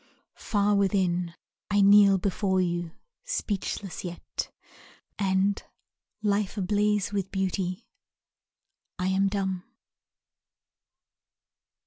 Far Within I kneel before you, speechless yet, And life ablaze with beauty, I am dumb.